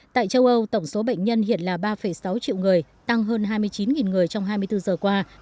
tại châu âu tổng số bệnh nhân hiện là ba sáu triệu người tăng hơn hai mươi chín người trong hai mươi bốn giờ qua